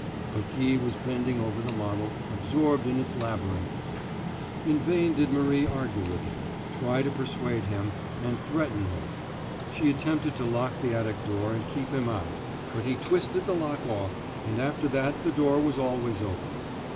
But Guy was bending over the model, absorbed in its labyrinths. In vain did Marie argue with him, try to persuade him, and threaten him; she attempted to lock the attic door and keep him out, but he twisted the lock off, and after that the door was always open.